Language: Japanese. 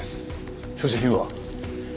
所持品は？